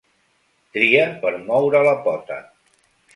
Tria per moure la pota.